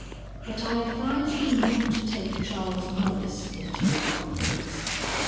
But I advise you not to take Charles Knollys into your confidence.